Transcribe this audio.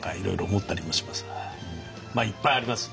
まあいっぱいあります。